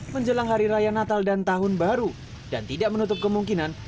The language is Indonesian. menjelang hari raya natal dan tahun baru dan tidak menutup kemungkinan